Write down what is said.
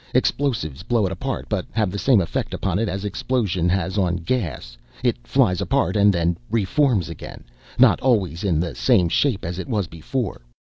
Explosives blow it apart, but have the same effect upon it as explosion has on gas. It flies apart and then reforms again, not always in the same shape as it was before.